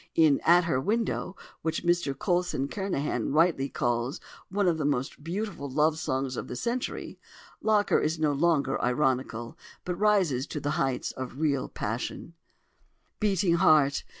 In "At Her Window," which Mr Coulson Kernahan rightly calls "one of the most beautiful love songs of the century," Locker is no longer ironical, but rises to the heights of real passion: "Beating Heart!